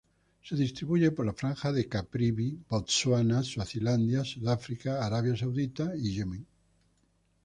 Se distribuye por la Franja de Caprivi, Botsuana, Suazilandia, Sudáfrica, Arabia Saudita, Yemen.